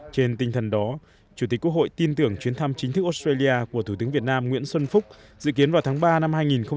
trên tinh thần đó chủ tịch quốc hội tin tưởng chuyến thăm chính thức australia của thủ tướng việt nam nguyễn xuân phúc dự kiến vào tháng ba năm hai nghìn hai mươi